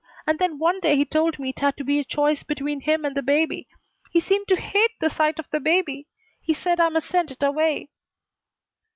And then one day he told me it had to be a choice between him and the baby. He seemed to hate the sight of the baby. He said I must send it away."